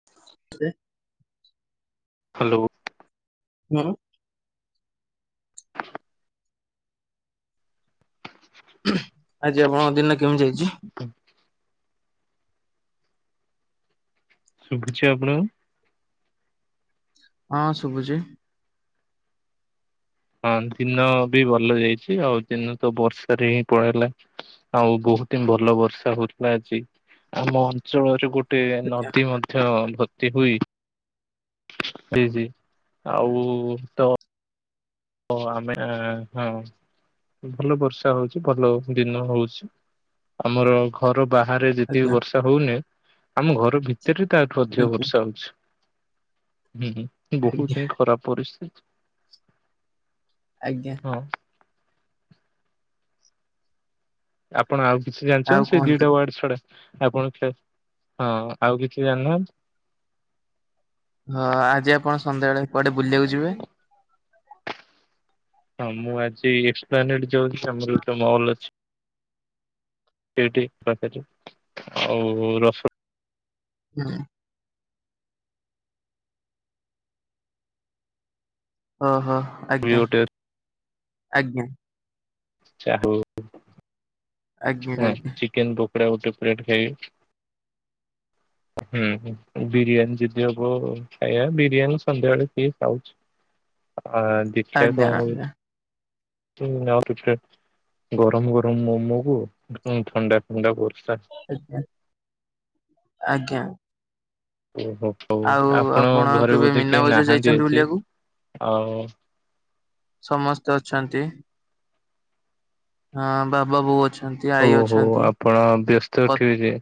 [inaudible] Hello. ନାଆ ଆଜି ଆପଣଙ୍କ ଦିନ କେମିତି ଯାଇଚି? ଶୁଭୁଛି ଆପଣଙ୍କୁ। ହଁ ଶୁଭୁଚି। ହଁ ଦିନ ବି ଭଲ ଯାଇଛି ଆଉ ଦିନ ତ ବର୍ଷାରେ ହିଁ ପଳେଇଲା। ଆଉ ବୋହୁତ ହିଁ ଭଲ ବର୍ଷା ହଉଥିଲା ଆଜି ଆମ ଅଞ୍ଚଳରେ ଗୋ ଟେ ଆଜ୍ଞା ନଦୀ ମଧ୍ୟ ଭର୍ତ୍ତି ହୋଇ ଯାଇଚି ଆଉ ତ ଓ ଆମେ ହଁ ଭଲ ବର୍ଷା ହଉଛି ଭଲ ଦିନ ହଉଛି। ଆମର ଘର ବାହାରେ ଯେତିକି ଆଜ୍ଞା ବର୍ଷା ହଉନି ଆମ ଘର ଭି ତରେ ତା ଠୁ ଅଧିକ ଆଜ୍ଞା। ବର୍ଷା ହଉଛି ହୁଁ ହୁଁ ଆଜ୍ଞା ବହୁତ ହିଁ ଖରାପ ପରିସ୍ଥିତି। ଆଜ୍ଞା। ହଁ। ଆପଣ ଆଉ କିଛି ଆଉ ଜାଣିଛନ୍ତି ସେଇ କୁହନ୍ତୁ ଦିଇଟା ୱାର୍ଡ ଛଡା? ଆପଣ ଖେ ହଁ ଆଉ କିଛି ଜାଣିନାହାନ୍ତି ହଁ ଆଜି ଆପଣ ସନ୍ଧ୍ୟାବେ କୁଆଡେ ବୁଲିବାକୁ ଯିବେ? ହଁ ମୁଁ ଆଜି ଏକ୍ସପ୍ଲାନେଟ ଯାଉଛି ଆମର ଗୋଟେ ମହଲ ଅଛି। ସେଇଠି ରଖଛି ଆଉ ରସୁଣ ହଁ ହ। ଅ ହିଁ ବି ଆଜ୍ଞା ଗୋଟେ ଅଛି ଆଜ୍ଞା। ଯା ହଉ ଆଜ୍ଞା ଆଜ୍ଞା ହଁ ଚିକେନ ପୋକୋଡା ଗୋଟେ ପ୍ଲେଟ ଖାଇବି। ହୁଁ ହ ବିରିୟାନୀ ଯଦି ହବ ଖାଇବା ବିରିୟାନୀ ସନ୍ଧ୍ୟାବେଳେ ଟିଏ ଖାଉଛି। ଆ ଦେଖିବା ଆଜ୍ଞା ଆଉ ଆଜ୍ଞା। କଣ ହଉଚି କିଛି ଆଉ କିଛି ଖାଇବା ଗରମ ଗରମ ମୋମୋ କୁ ହଁ ଥଣ୍ଡା ଥଣ୍ଡା ବର୍ଷା ଆଜ୍ଞା ଆଜ୍ଞା। ଓ ହୋ ହଉ ଆଉ ଆପଣ ଘରେ କେବେ ବୋଧେ ମୀନା କେହି ବଜାର ନାହାନ୍ତି ଯାଇଛନ୍ତି ଆଜି ବୁଲିବାକୁ? ଆଉ? ସମସ୍ତ ଅଛନ୍ତି। ହଁ ବାବା ବୋଉ ଅଛି। ଓ ହୋ ହଉ ଆପଣ ବ୍ୟସ୍ତ କ ଥିବେ ଯେ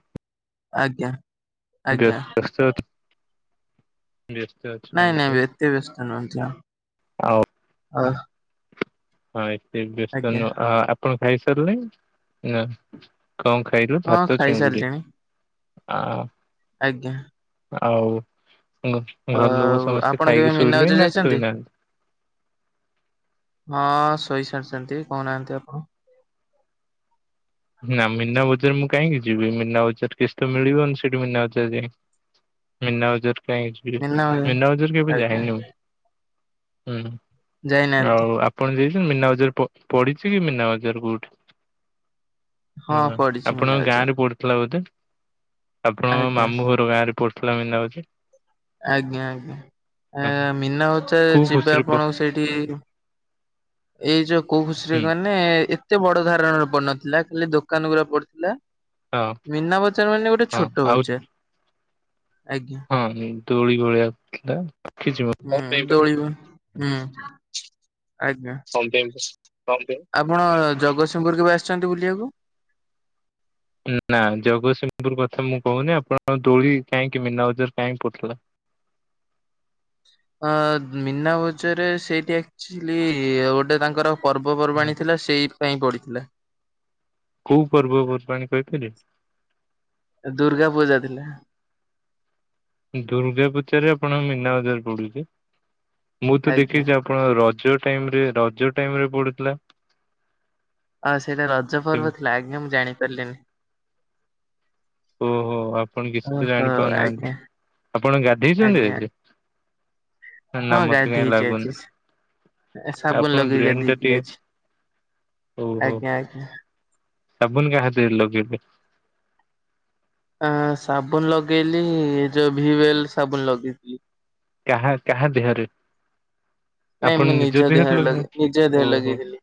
ଆଜ୍ଞା। ଆଜ୍ଞା ବ୍ୟସ୍ତ ସ୍ତ ଅଛ କି ବ୍ୟସ୍ତ। ନାଁ ନାଁ ଅଛନ୍ତି। ଏତେ ବ୍ୟସ୍ତ ନୁହନ୍ତି ଆ ଆଉ [unintelligible] ହଁ ଏତେ ବ୍ୟସ୍ତ ଆଜ୍ଞା ନୁହଁ ଆପଣ ଖାଇସାରିଲେଣି ନା? କଣ ଖାଇଲୁ ହଁ ଭାତ ଚିଙ୍ଗୁଡ଼ି ଖାଇସାରିଲିଣି ଆଁ ଆଜ୍ଞା। ଆଉ ଘର ଲୋକ ଆଉ ସମସ୍ତେ ଆପଣ କେବେ ଖାଇକି ମୀନା ଶୋଇଲେ ବଜାର ନା ଯାଇଛନ୍ତି? ଶୋଇନାହାନ୍ତି? ହଁ ସୋଇସାରିଛନ୍ତି କହୁନାହାନ୍ତି ଆପଣ? ନା ମୀନା ବଜାର ମୁଁ କାହିଁକି ଯିବି ମୀନା ବଜାର କିସ୍ ମିଳିବନି ସେଠି ମନା ବଜାର ଯାଇ ମୀନା ବଜାର କାହିଁ ମୀନା ବଜାର କେବେ ଆଜ୍ଞା ଯାାଇନି ମୁଁ। ହୁଁ ଯାଇନାହାନ୍ତି ଆଉ ଆ ପଣ ଯାଇଛନ୍ତି ମୀନା ବଜାର ପଡିଛି କି ମିନା ବଜାର କୋଉଠି? ହୁଁ ହଁ ପଡିଛି ମୀନା ଆପଣଙ୍କ ଗାଁ ବଜାର। ରେ ପଡି ଥିଲା ବୋଧେ ଆପଣଙ୍କ ଆଜ୍ଞା ମାମୁଁ ଘର ଗାଁ ରେ ପଡ଼ିଥିଲା ମିନା ବଜାର। ଆଜ୍ଞା ଆଜ୍ଞା ହଁ ମିନା ବଜାର କୋଉ ଯିବେ ଖୁସିରେ ପ ଆପଣ ସେଠି ଏଇ ଯୋଉ କୋଉ ଖୁସିରେ ହୁଁ କହିଲେ ଏତେ ବଡ ଧାରଣା ର ପଡି ନଥିଲା ଖାଲି ଦୋକାନ ଗୁୁରା ପଡିଥିଲା। ହଁ ମୀନା ବଜାର ମାନେ ଗୋଟେ ହଁ ଛୋଟ ବଜାର ଆଉ ହଉଛେ ଆଜ୍ଞା ହଁ ଦୋଳି ଗୋଳି ଆସିଥିଲା। [unintelligible] କଣ ହୁଁ ପାଇଁ ଦୋଳିବ କଣ ହୁଁ ଆଜ୍ଞା ପାଇଁ? କଣ ପାଇଁ? ଆପଣ ଜଗତସିଂହପୁର କେବେ ଆସିଛନ୍ତି ବୁଲିବାକୁ? ନା ଜଗତସିଂହପୁର କଥା ମୁଁ କହୁନି ଆପଣଙ୍କ ଦୋଳି କାହିଁକି ମନା ବଜାର କାହିଁକି ପଡୁଥିଲା? ଅ ମୀନା ବଜାରରେ ସେଇଠି ଆକ୍ଚୁଲି ଗୋଟେ ତାଙ୍କର ନା। ପର୍ବପର୍ବାଣି ଥିଲା ସେଇଥି ପାଇଁ ପଡିଥିଲା। କୋଉ ପର୍ବପର୍ବାଣି କହିପାରିବେ? ଦୁର୍ଗା ପୂଜା ଥିଲା। ଦୁର୍ଗା ପୂଜାରେ ଆପଣଙ୍କ ମୀନା ବଜାର ପଡୁଛି ମୁଁ ତ ଆଜ୍ଞା ଦେଖିଛି ଆପଣଙ୍କ ରଜ ଟାଇମରେ ରଜ ଟାଇମରେ ପଡ଼ୁଥିଲା। ଅ ସେଇଟା ରଜ ପର୍ବ ସେମ- ଥିଲା ଆଜ୍ଞା ମୁଁ ଜାଣି ପାରିଲିନି। ଓହୋ ଆପଣ କିଛି ତ ଓହୋ ଆଜ୍ଞା ଜାଣିପାରୁନାହାନ୍ତି। ଆପଣ ଗାଧେଇଚନ୍ତି ଆଜ୍ଞା ଆଜି? ନା ହଁ ମତେ କାହିଁ ଗାଧେଇଚି ଲାଗୁନି। ଆଜି ସାବୁନ ଆପଣ ଲଗେଇ ବ୍ରେନ ଟା ଗାଦେଇଥିଲି ଟିକେ ଆଜି। ଓହୋ ଆଜ୍ଞା ଆଜ୍ଞା। ସାବୁନ କାଇଁ ହାତରେ ଲଗେଇଲେ? ଆ ସାବୁନ ଲଗେଇଲି ଯୋଉ ଭିୱେଲ ସାବୁନ ଲଗେଇଥିଲି। କାହା କାହା ଦେହରେ? ନାଇଁ ଆପଣ ମୁଁ ନିଜ ଦେହରେ ଲଗେଏ ଲଗେଇ ନିଜ ଦେହରେ ଓହୋ। ଲଗେଇଥିଲି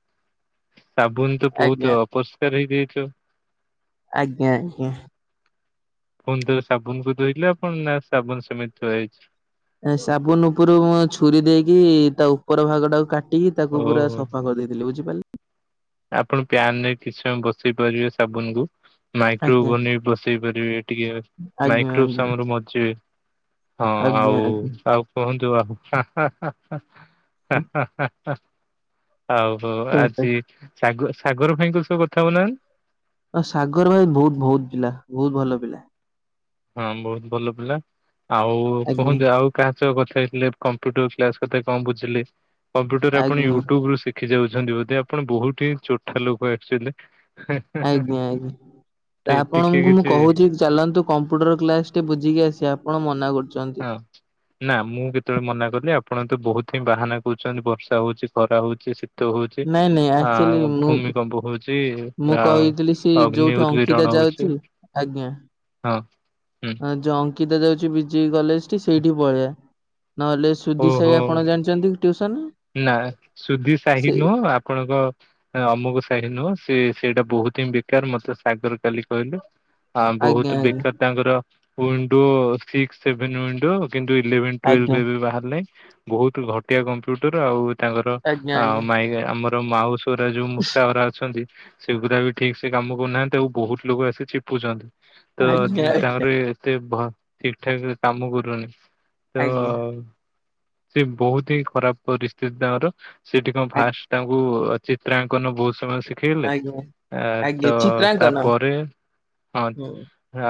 ସାବୁନ ତ ଆଜ୍ଞା ବୋହୁତ ଅପରିଷ୍କାର ହେଇଯାଇଥିବ? ଆଜ୍ଞା ଆଜ୍ଞା। ପୁଣିଥର ସାବୁନକୁ ଧୋଇଲେ ଆପଣ ନା ସାବୁନ ସେମିତି ଥୁଆ ହେଇଚି? ସାବୁନୁ ଉପରୁ ମୁଁ ଛୁରୀ ଦେଇକି ତା ଉପର ଭାଗ ଟାକୁ କାଟ ଟିକି ତାକୁ ଓହୋ ପୁରା ସଫା କରିଦେଇଥିଲି ବୁଝିପାରିଲେ। ଆପଣ ପ୍ୟାନ ରେ କିଛି ସମୟ ବସେଇ ପାରିବେ ସାବୁନକୁ। ଆଜ୍ଞା ମାଇକ୍ରୋଉଭନରେ ବି ବସେଇ ପାରିବେ ଟିକେ ଆଜ୍ଞା ଆଜ୍ଞା ମାଇକ୍ରୋପ୍ସ ଆମର ମରଜିବେ। ହଁ ଆଉ ଆଜ୍ଞା ଆଜ୍ଞା। ଆଉ କୁହନ୍ତୁ ଆଉ ହା ହା ହା ହା ହା ହା ହା। ଆଉ ହୋ ଆଜିଗ ସାଗ ସାଗର ଭାଇଙ୍କ ସହ କଥା ହୋଉନାହାନ୍ତି। ଅ ସାଗର ଭାଇ ବୋହୁତ ବୋହୁତ ପିଲା ବୋହୁତ ଭଲ ପିଲା। ହଁ ବୋହୁତ ଭଲ ପିଲା ଆଉ ଆଜ୍ଞା କୁହନ୍ତିୁ ଆଉ କାହା ସହ କଥା ହେଇଥିଲେ କମ୍ପ୍ୟୁଟର କ୍ଲାସ କଥା କଣ ବୁଝିଲେ କମ୍ପ୍ୟୁଟର ଆପଣ ଆଜ୍ଞା ୟୁଟ୍ୟୁବୁ ଶିଖ ଖି ଯାଉଛନ୍ତି ବୋଧେ ଆପଣ ବୋହୁତ ହିଁ ଚୋଠା ଲୋକ ଅକ୍ଚୁଲିରେ। ଆଜ୍ଞା ଆଜ୍ଞା ଟିକେ ଆପଣଙ୍କୁ ମୁଁ କିଛି କୋହୁଚି ଚାଲନ୍ତୁ କମ୍ପ୍ୟୁଟର କ୍ଲାସ ଟେ ବୁଝିକି ଆସିବା ଆପଣନା କରୁଚନ୍ତି। ହଁ। ନା ମୁଁ କେତେବେଳେ ମନା କଲି ଆପଣ ତ ବୋହୁତ ହିଁ ବାହାନା କରୁଛନ୍ତି ବର୍ଷା ହୋଉଚି ଖରା ହୋଉଚି ଶୀ ତ ହୋଉଚି ନାଇଁ ନାଇଁ ଆକ୍ଚୁଆଲି ଆଉ ମୁଁ ଭୂମିକମ୍ପ ହୋଉଚି ମୁଁ ଆଉ ଅଗ୍ନି ଉଦ୍ଗିରଣ ହୋଉଛି। ଚି ଆଜ୍ଞା। ହଉ ହୁଁ। ଯୋଉ ଅଙ୍କିତା ଯାଉଚି ବି ଜି କଲେଜଠି ସେଇଠି ପଳେଇଆ ନହେଲେ ସୁଧି ସାହି ଓହୋ ଆପଣ ଜାଣିଛନ୍ତି ଟ୍ୟୁସନ ନା ସୁଧି ସାହି ସେ ନୁହଁ ଆପଣଙ୍କ ଅମୁକୁ ସାହି ନୁହଁ ସେ ସେଇଟା ବୋହୁତ ହିଁ ବେକାର ମତେ ସାଗର କାଲି କହିଲେ। ଆ ଆଜ୍ଞା ବୋହୁତ ବେକାର ତାଙ୍କର ଉଣ୍ଡୋ ସିକ୍ସ ସେଭେନ ଉଣ୍ଡୋ। କିନ୍ତୁ ଇଲେଭେନ ଟୁୱେଲ୍ଭ ଆଜ୍ଞା। ଏବେ ବାହାର ନାହିଁ। ବୋହୁତ ଘଟିଆ କମ୍ପ୍ୟୁଟର ଆଉ ତାଙ୍କର ଆଜ୍ଞା ଆ ଆଜ୍ଞା ମାଇ ଆମର ମାଉସରା ଯୋଉ ମୂଷା ଉରା ଅଛନ୍ତି। ସେଗୁରା ବି ଠିକ ସେ କାମ କରୁନାହାନ୍ତି ଆଉ ବୋହୁତ ଲୋକ ଆସିେ ଚୁପୁଚନ୍ତି। ତ ଆଜ୍ଞା ଆଜ୍ଞା ଆଜ୍ଞା ତାଙ୍କର ଏତେ ଭ ଠିକ୍ ଠାକ୍ କାମ କରୁନି। ତ ଆଜ୍ଞା। ସେ ବୋହୁତ ହିଁ ଖରାପ ପରିସ୍ଥିତି ତାଙ୍କର। ସେଠି କଣ ଫାଷ୍ଟ ତାଙ୍କୁ ଚିତ୍ରାଙ୍କନ ବୋହୁତ ସମୟ ଶି ଖେଇଲେ ଆଜ୍ଞା ଆଜ୍ଞା ଆ ଆଜ୍ଞା ତ ଚିତ୍ରାଙ୍କନ ତାପରେ ହଁ। ହୁଁ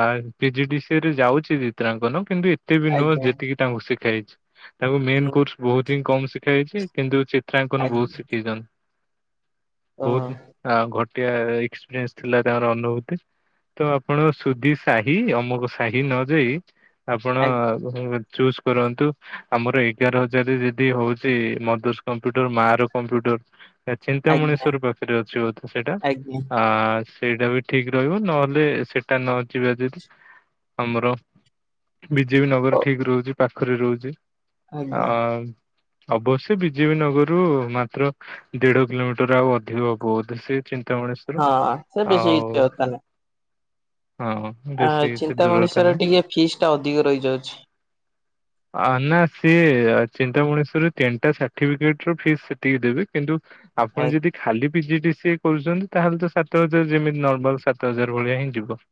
ଆଁ P G D C A ରେ ଯାଉଚି ଚିତ୍ରାଙ୍କନ। କିନ୍ତୁ ଏତେ ବି ନୁହଁ ଆଜ୍ଞା ଯେତିକି ତାଙ୍କୁ ଶିଖା ହେଇଛି। ତାଙ୍କୁ ମେନ ହୁଁ କୋର୍ସ ବୋହୁତ ହିଁ କମ ଶିଖା ଯାଇଛି। କିନ୍ତୁ ଚିତ୍ରାଙ୍କନ ବୋହୁତ ଆଜ୍ଞା। ଶିଖେଇଚନ୍ତି। ଓହୋ ବୋହୁତ ଘଟିଆ ଏକ୍ସପିରିଏନ୍ସ ଥିଲା ତାଙ୍କର ଅନୁଭୂତି। ତ ଆପଣ ସୁଧି ସାହି ଅମକ ସାହି ନ ଯାଇ ଆପଣ ଆ ଚୁଜ୍ କରନ୍ତୁ। ଆମର ଏଗାର ହଜାର ଯଦି ହୋଉଚି ମଦରସ୍ କମ୍ପ୍ୟୁଟର ମା ର କମ୍ପ୍ୟୁଟର। ଆଜ୍ଞା ଚିନ୍ତାମଣିଶ୍ଵର ପାଖରେ ଅଛି ବୋଧେ ସେଇଟା ଆଜ୍ଞା ଆ ସେଇଟା ବି ଠିକ ରହିବ ନହେଲେ ସେଇଟା ନ ଯିବା ଯଦି ଆମର ବି ଜେ ପି ନଗର ଠିକ ରୋହୁଚି ପାଖରେ ରୋହୁଚି। ଅ ଆଜ୍ଞା। ଅବଶ୍ୟ ବି ଜେ ପି ନଗରରୁ ମାତ୍ର ଦେଢ କିଲୋମିଟର ଆଉ ଅଧିକ ହବ ବୋଧେ ସେ ଚିନ୍ ତା ମଣିଷର ହଁ ସେ ବେଶୀ ଆଉ କିଛି କଥା ନାହିଁ ହଁ ଆ, ବେଶୀ କିଛି ଚିନ୍ତା ଦୂରତା ମଣିଷ ର ନାହିଁ ଟିକେ ଫିସ୍ ଟା ଅଧିକ ରହିଯାଉଛି। ଆ, ନା ସିଏ ଚିନ୍ତା ମଣିଷରେ ତିନ ଟା ସାର୍ଟିଫିକେଟ୍ ରୋ ଫିସ୍ ସେତିକି ଦେବେ। କିନ୍ତୁ ଆପଣ ଆଜ୍ଞା ଯଦି ଖାଲି ପିଜି ଡି ସିଏ କରୁଛନ୍ତି ତାହେଲେ ତ ସାତ ହଜାର ଯେମିତି ନର୍ମାଲ୍ ସାତ ହଜାର ଭଳିଆ ହିଁ ଯିବ।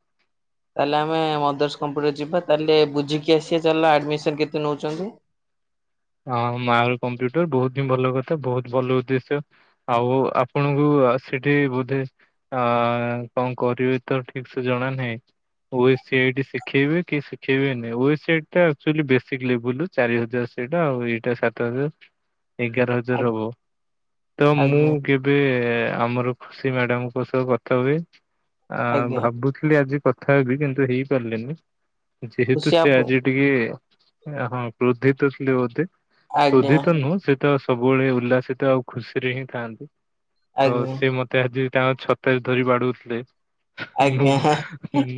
ତାହେଲେ ଆମେ ଅଦର୍ସ କମ୍ପ୍ୟୁଟର ଯିବା, ତାହେଲେ ବୁଝିକି ଆସିବା ଚାଲ ଆଡମିସନ୍ କେତେ ନଉଚନ୍ତି। ହଁ ମା କମ୍ପ୍ୟୁଟର ବହୁତ ହିଁ ଭଲ କଥା, ବହୁତ ଭଲ ଉଦ୍ଦେଶ୍ୟ। ଆଉ ଆପଣଙ୍କୁ ଆ, ସେଠି ବୋଧେ ଆ, କଣ କରିବି ତ ଠିକ ସେ ଜଣା ନାହିଁ। ଓ ସି ଆଇଡି ଶିଖେଇବେ କି ଶିଖେଇବେ ନି, ଓ ସି ଆଇଡି ଟା ଏକ୍ଚୁଲି ବେସିକ୍ ଲେବେଲ୍ ରୁ ଚାରି ହଜାର। ସେଇଟା ଆଉ ଏଇଟା ସାତ ହଜାର ଏଗାର ହଜାର ଆଜ୍ଞା ହବ ତ ମୁଁ ଆଜ୍ଞା କେ ରେ ଆମର ଖୁସି ମ୍ୟାଡାମ୍ ଙ୍କ ସହ କଥା ହୁଏ। ଆ, ଆଜ୍ଞା ଭାବୁଥିଲି ଆଜି କ ଥା ହେବିି, କିନ୍ତୁ ହେଇପାରିଲେନି, ଯେହେତୁ ଖୁସି ସେ ଆପ ଆଜି ଟିକେ ଏ ହଁ କ୍ରୋଧିତ ଥିଲେ ବୋଧେ, ଆଜ୍ଞା। କ୍ରୋଧିତ ନୁହଁ ସେ ତ ସବୁବେଳେ ଉଲ୍ଲାସିତ ଆଉ ଖୁସିରେ ହିଁ ଥାଆନ୍ତି। ତ ଆଜ୍ଞା ସିଏ ମୋତ ତେ ଆଜି ତାଙ୍କ ଛତାରେ ଧରି ବାଡଉଥିଲେ। ମୁଁ ଆଜ୍ଞା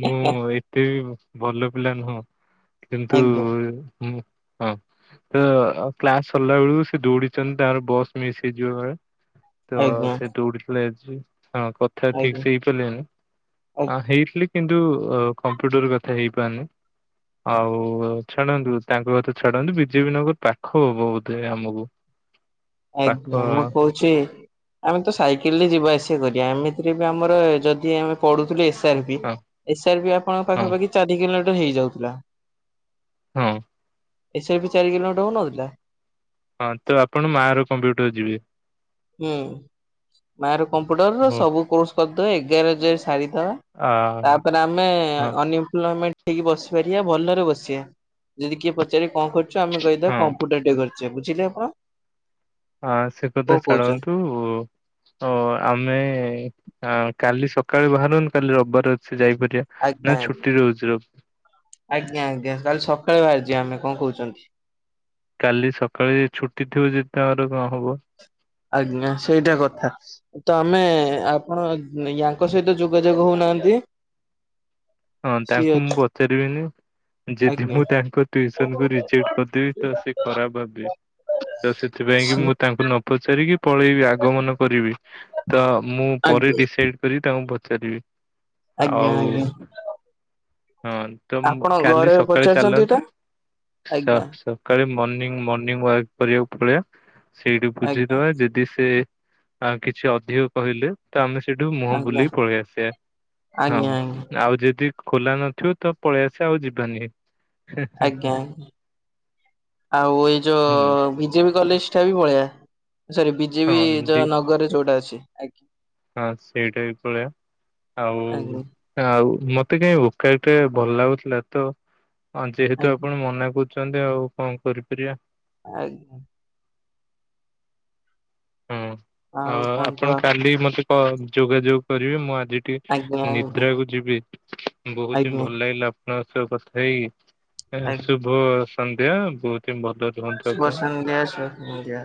ମୁଁ ଏ ତେ ବି ଭଲ ପିଲା ନୁହଁ। କିନ୍ତୁ ଆଜ୍ଞା ମୁଁ ହଁ ତ କ୍ଲାସ୍ ସରିଲା ବେଳକୁ ସେ ଦୌଡିଚନ୍ତି ତାଙ୍କର ବସ୍ ମିସ୍ ହେଇଯିବ କାଳେ। ତ ଆଜ୍ଞା ସେ ଦୌଡିଥିଲେ ଆଜି। ହଁ କ ଥା ଠିକ୍ ଆଜ୍ଞା ସେ ହେଇପାରିଲିନି, ଆ ଆଁ, ହେଇଥିଲି କିନ୍ତୁ ଅ, କମ୍ପ୍ୟୁଟର କଥା ହେଇପାରିନି। ଆଉ ଛାଡନ୍ତୁ ତାଙ୍କ କଥା ଛା ଛାଡନ୍ତୁ ବିଜେପିନଗର ପାଖ ହବ ବୋଧେ ଆମକୁ। ପାଖ ଆଜ୍ଞା ମୁଁ କହୁ ଛି, ଆମେ ତ ସାଇକେଲରେ ଯିବା ଆସିବା କରିବା। ଏମିତିରେ ବି ଆମର ଯଦି ଆମେ ପଢୁଥିଲେ। ଏସ୍ ତାରପି, ହଁ ଏସ୍ ଆର ବି ଆପଣଙ୍କ ହଁ ପାଖାପାଖି ଚାରି କିଲୋମିଟର ହେଇଯାଉଥୁଲା। ହଁ। ଏସ୍ ଆର୍ ପି ଚାରି କିଲୋମିଟର ହଉନଥିଲା? ହଁ ତ ଆପଣ ମାଆ ର କମ୍ପ୍ୟୁଟର ଯିବେ? ହୁଁ, ମା ର କମ୍ପ୍ୟୁଟର ର ହଁ ସବୁ କୋର୍ଷ କରିଦବା, ଏଗାର ହଜାର ସାରିଦବା। ଆ, ତାପରେ ଆମେ ହଁ ଅନଇପ୍ଲୋମେଣ୍ଟ ହେଇକି ବସିପାରିବା ଭଲରେ ବସିବା। ଯଦି କିଏ ପଚାରେ କଣ କର ଚୁ, ଆମେ କହିଦବା ହଁ କମ୍ପୁଟର ଟେ କରିଛେ ବୁଝିଲେ ଆପଣ? ହଁ ସେ କଣ କଥା କହୁଛ ଛାଡ଼ନ୍ତୁ। ଓ ଆମେ ଅଁ, କାଲି ସକାଳୁ ବାହାରନ୍ତୁ କାଲି ରବବାର ଅଛି ଯାଇପାରିବା। ଆଜ୍ଞା ନା ଆଜ୍ଞା ଛୁଟି ରହୁଛୁ ରବ ଆଜ୍ଞା, ଆଜ୍ଞା କାଲି ସକାଳେ ବାହାରିଯିବା ଆମେ, କଣ କହୁଛନ୍ତି? କାଲି ସକାଳେ ଛୁଟି ଥିବ ଯଦି ତାପରେ କଣ ହବ? ଆଜ୍ଞା ସେଇଟା କଥା। ତୋମେ ଆପଣ ୟାଙ୍କ ସହିତ ଯୋଗାଯୋଗ ହଉ ନାହାନ୍ତି। ହଁ ତାଙ୍କୁ ମୁଁ ପଚାରିବିନି। ଯଦି ଆଜ୍ଞା। ମୁଁ ତାଙ୍କ ଟିଉସନ କୁୁ ରିଜେକ୍ଟ କରିଦେବି ତ ସେ ଖରାପ ଭାବିବେ। ତ ସେଥିପାଇଁ କି ସିଏ ମୁଁ ତାଙ୍କୁ ନ ପଚାରିକି ପଳେଇବି ଆଗମନ କରିବି, ତ ମୁଁ ପରେ ଆଜ୍ଞା ଡିସାଇଡ଼୍ କରିକି ତାଙ୍କୁ ପଚାରିବି। ଆଜ୍ଞା ଆଉ ଆଜ୍ଞା। ହଁ ତୁଁ ଆପଣ କାଲି ଘରେ ସକାଳେ ପଚାରିଛନ୍ତି ଚାଲନ୍ତି ଏଇଟା ସ- ଆଜ୍ଞା ସ-। କାଳେ ମର୍ନିଙ୍ଗ ମର୍ନିଙ୍ଗ ୱାକ୍ କରିବାକୁ ପଳେଇବା। ସେଇଠି ଆଜ୍ଞା ବୁଝିଦବା ଯଦି ସେ ଆଉ କିଛି ଅଧିକ କହିଲେ ତ ଆମେ ସେଇଠୁ ମୁହଁ ଆଜ୍ଞା ବୁଲିଇ ପଳେଇ ଆସିବା। ହଁ ଆଜ୍ଞା ଆଜ୍ଞା ନା ଆଉ ଯେ ଯଦି ଖୋଲା ନଥିବ ତ ପଳେଇ ଆସିବା ଆଉ ଯିବାନି। ଆଜ୍ଞା ଆଜ୍ଞା ଆଉ ଏଇ ହୁଁ। ଯୋଉ ବିଜେପି କଲେଜ ଜଟା ବି ପଳେଇବା ସରି ବିଜେପି ହଁ ଦି ନଗରରେ ଯୋଉଟା ଅଛି। ଆଜ୍ଞା ହଁ ସେଇଟା ବି ପଳେଇବା ଆଉ ଆଜ୍ଞା ଆଉ ମତେ କାଇହି ଭୋକା ଟେ ଭଲ ଲାଗୁଥିଲା ତ ଯେହେତୁ ଆଜ୍ଞା। ଆପଣ ମନା କରୁ କରୁଛନ୍ତି ଆଉ କଣ କରିପାରିବା। ଆଜ୍ଞା। ହଁ ଆଉ ଆପଣ କାଲି ମତେ କଲ୍ ଯୋଗାଯୋଗ କରିବେ ମୁଁ ଆଜି ଆଜି ଆଜ୍ଞା ଆଜ୍ଞା ନିଦ୍ରାକୁ ଯିବି ବହୁତ ହିଁ ଆଜ୍ଞା ଭଲ ଲାଗିଲା ଆପଣଙ୍କ ସହ କଥା ହେଇକି। ଏ ଆଜ୍ଞା। ଶୁଭ ସନ୍ଧ୍ୟା ବହୁତ ହିଁ ଭଲ ରୁହନ୍ତୁ। ଶୁଭ ଆପଣ। ସନ୍ଧ୍ୟା ଶୁଭ ସନ୍ଧ୍ୟା।